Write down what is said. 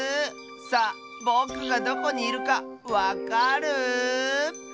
さあぼくがどこにいるかわかる？